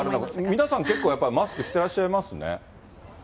皆さん、結構やっぱりマスクしてらっしゃいますね。